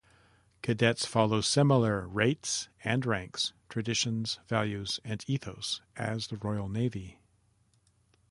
Cadets follow similar rates and ranks, traditions, values and ethos as the Royal Navy.